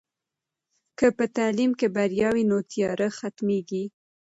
که په تعلیم کې بریا وي، نو تیاره ختمېږي.